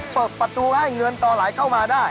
เปิดประตูให้เงินต่อไหลเข้ามาได้